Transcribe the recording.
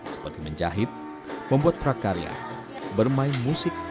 seperti menjahit membuat prakarya bermain musik